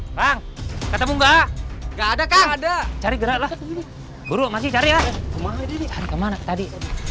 ada kata bunga gak ada kak ada cari berat burung aja cari ya kemana tadi